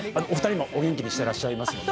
お二人も元気にしていらっしゃいます。